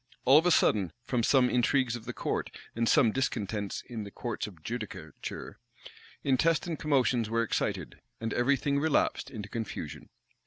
All of a sudden, from some intrigues of the court, and some discontents in the courts of judicature, intestine commotions were excited, and every thing relapsed into confusion.